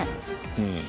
うん。